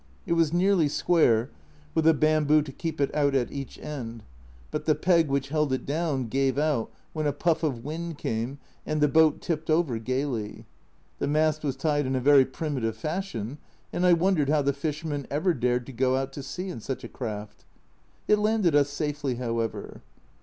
It was nearly square, with a bamboo to keep it out at each end, but the peg which held it down gave out when a puff of wind came and the boat tipped over gaily. The mast was tied in a very primitive fashion, and I wondered how the fishermen ever dared to go out to sea in such a craft. It landed us safely, how ever.